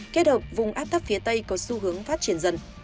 kết hợp vùng áp thấp phía tây có xu hướng phát triển dần